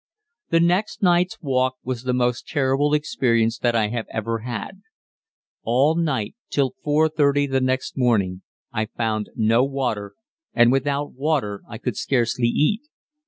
The next night's walk was the most terrible experience that I have ever had. All night, till 4.30 the next morning, I found no water, and without water I could scarcely eat.